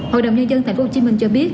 hội đồng nhân dân tp hcm cho biết